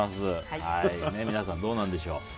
皆さん、どうなんでしょう。